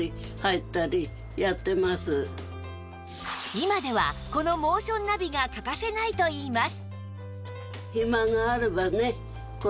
今ではこのモーションナビが欠かせないといいます